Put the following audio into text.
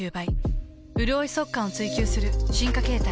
うるおい速乾を追求する進化形態。